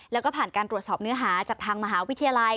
แล้วก็ผ่านการตรวจสอบเนื้อหาจากทางมหาวิทยาลัย